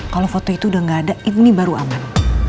kalau foto itu udah gak ada ini baru aman